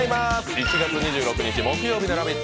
１月２６日木曜日の「ラヴィット！」